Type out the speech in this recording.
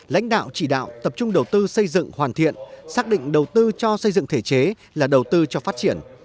lãnh đạo chỉ đạo tập trung đầu tư xây dựng hoàn thiện xác định đầu tư cho xây dựng thể chế là đầu tư cho phát triển